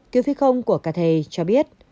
kiều phi không của cathay cho biết